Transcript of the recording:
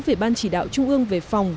về ban chỉ đạo trung ương về phòng